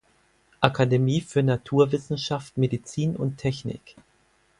Akademie für Naturwissenschaft, Medizin und Technik.